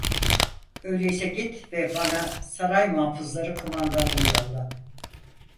Öyleyse git ve bana saray muhafızları kumandanını yolla…